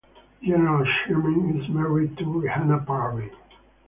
General Shamim is married to Rehana parvin.